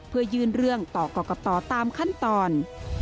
เพื่อยื่นเรื่องต่อกรกตตามขั้นตอน